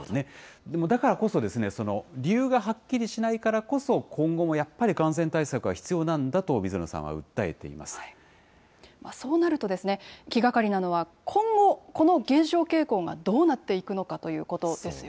でもだからこそ、理由がはっきりしないからこそ、今後もやっぱり感染対策が必要なんだと、水野さそうなるとですね、気がかりなのは今後、この減少傾向がどうなっていくのかということですよ